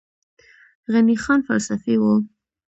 غني خان فلسفي و